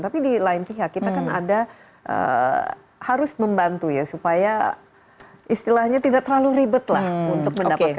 tapi di lain pihak kita kan ada harus membantu ya supaya istilahnya tidak terlalu ribet lah untuk mendapatkan